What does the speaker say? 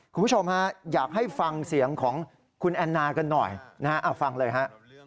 คุณผู้ชมฮะอยากให้ฟังเสียงของคุณแอนนากันหน่อยนะฮะฟังเลยฮะ